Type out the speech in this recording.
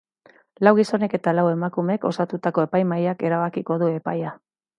Lau gizonek eta lau emakumek osatutako epaimahaiak erabakiko du epaia.